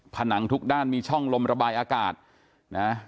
ผนังทุกด้านมีช่องลมระบายอากาศนะ